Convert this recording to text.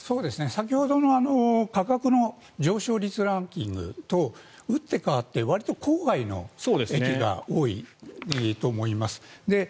先ほどの価格の上昇率ランキングと打って変わってわりと郊外の駅が多いと思います。